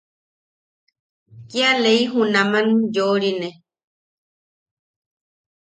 Kia lei junam yoʼorine.